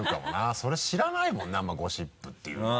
それ知らないもんなゴシップっていうのは。